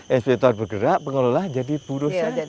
inspektor bergerak pengelola jadi buruh saja